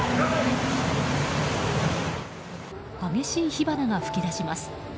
激しい火花が噴き出します。